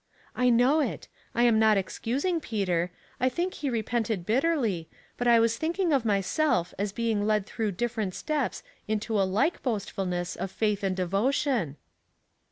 *' I know it ; I am not excusing Peter ; I think he repented bitterly, but I was thinking of myself as being led through different stepa into a like boastf 'Iness of faith and devotion."